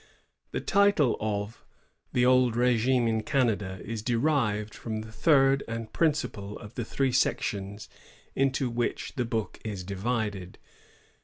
The title of " The Old R^gune in Canada " is derived from the third and principal of the three sections into which the book is divided.